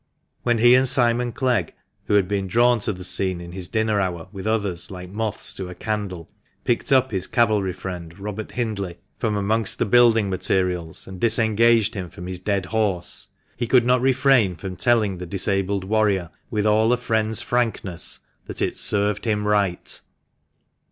When he and Simon Clegg (who had been drawn to the scene in his dinner hour with others, like moths to a candle) picked up his cavalry friend, Robert Hindley, from amongst the J. l •m nis STAR INN. THE MANCHESTER MAN. 19I building materials, and disengaged him from his dead horse, he could not refrain from telling the disabled warrior, with all a friend's frankness, that " it served him right